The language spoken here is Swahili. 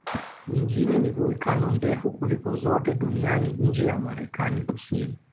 Nyingine ni volkeno ndefu kuliko zote duniani nje ya Amerika Kusini